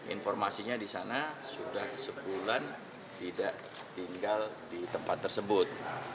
informasinya di sana sudah sebulan tidak tinggal di tempat tersebut